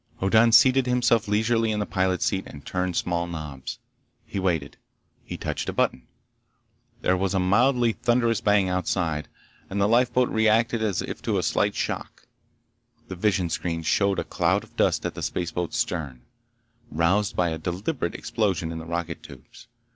Hoddan seated himself leisurely in the pilot's seat and turned small knobs. He waited. He touched a button. There was a mildly thunderous bang outside, and the lifeboat reacted as if to a slight shock. The visionscreens showed a cloud of dust at the spaceboat's stern, roused by a deliberate explosion in the rocket tubes.